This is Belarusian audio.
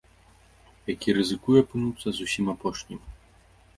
Які рызыкуе апынуцца зусім апошнім.